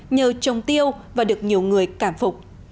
nhờ trồng tiêu và được nhiều người cảm phục